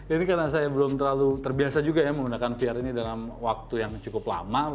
ini karena saya belum terlalu terbiasa juga ya menggunakan vr ini dalam waktu yang cukup lama